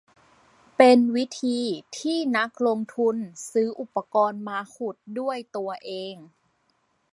เป็นวิธีที่นักลงทุนซื้ออุปกรณ์มาขุดด้วยตัวเอง